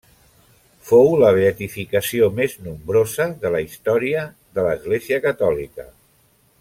Fou la beatificació més nombrosa de la història de l'Església Catòlica.